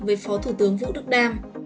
với phó thủ tướng vũ đức đam